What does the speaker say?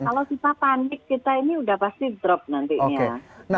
kalau kita panik kita ini sudah pasti drop nantinya